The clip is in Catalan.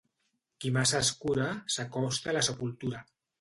Qui massa es cura s'acosta a la sepultura.